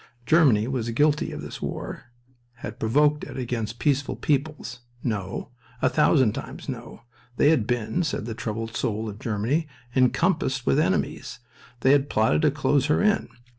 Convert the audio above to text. Germany was guilty of this war, had provoked it against peaceful peoples? No! A thousand times no. They had been, said the troubled soul of Germany, encompassed with enemies. They had plotted to close her in.